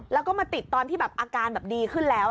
แล้วก็มาติดตอนที่แบบอาการแบบดีขึ้นแล้ว